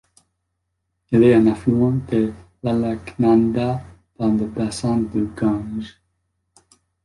Il est un affluent de l'Alaknanda dans le bassin du Gange.